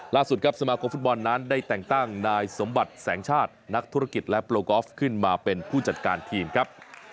ล่าสุดครับสมาคมฟุตบอลนั้นได้แต่งตั้งนายสมบัติแสงชาตินักธุรกิจและโปรกอล์ฟขึ้นมาเป็นผู้จัดการทีมครับ